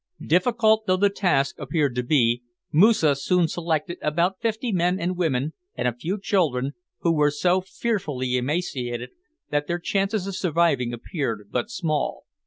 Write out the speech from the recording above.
Difficult though the task appeared to be, Moosa soon selected about fifty men and women and a few children, who were so fearfully emaciated that their chance of surviving appeared but small.